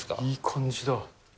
いい感じだ。